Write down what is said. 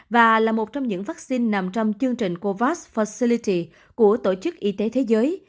và là một trong những vắc xin nằm trong chương trình covax facility của tổ chức y tế thế giới